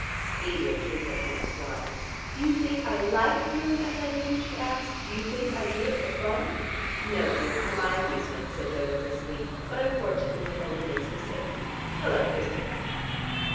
Edith threw her hands wide. "Do you think I like feeling as I do?" she asked. "Do you think I do it for fun?" "No, dear, for my amusement," said Dodo briskly. "But unfortunately it only makes me sick. Hullo, here's David."